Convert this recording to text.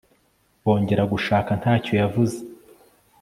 bongera gushaka ntacyo yavuze